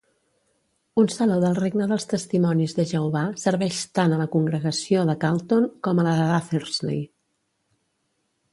Un Saló del Regne dels testimonis de Jehovà serveix tant a la congregació de Carlton com a la d'Athersley.